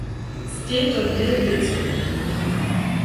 Stej to dwě wěcy.